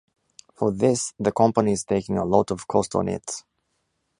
For this the company is taking a lot of cost on it.